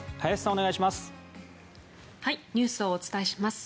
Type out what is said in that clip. お願いします。